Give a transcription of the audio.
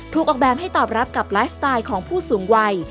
ออกแบบให้ตอบรับกับไลฟ์สไตล์ของผู้สูงวัย